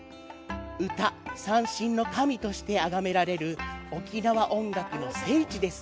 唄、三線の神としてあがめられる沖縄音楽の聖地です。